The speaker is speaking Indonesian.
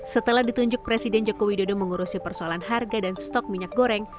setelah ditunjuk presiden joko widodo mengurusi persoalan harga dan stok minyak goreng